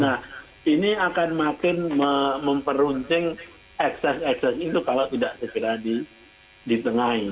nah ini akan makin memperuncing ekses ekses itu kalau tidak segera ditengahi